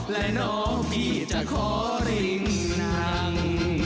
และน้องพี่จะขอริ่งหนัง